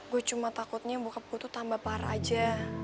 gue cuma takutnya bokap gue tuh tambah parah aja